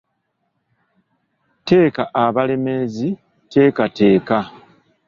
Teeka abalemeezi teeka teeka.